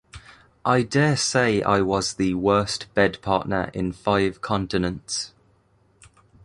I daresay I was the worst bed partner in five continents.